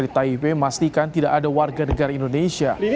di taipei memastikan tidak ada warga negara indonesia